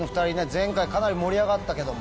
前回かなり盛り上がったけども。